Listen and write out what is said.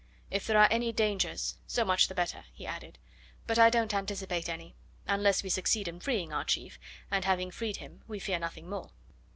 If there are any dangers, so much the better," he added; "but I don't anticipate any, unless we succeed in freeing our chief; and having freed him, we fear nothing more."